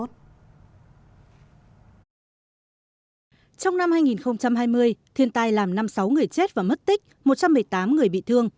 trong năm hai nghìn hai mươi thiên tai làm năm mươi sáu người chết và mất tích một trăm một mươi tám người bị thương